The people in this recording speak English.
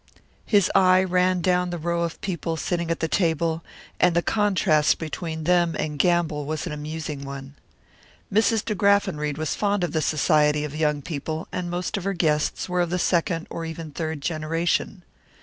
His eye ran down the row of people sitting at the table, and the contrast between them and Gamble was an amusing one. Mrs. De Graffenried was fond of the society of young people, and most of her guests were of the second or even the third generation.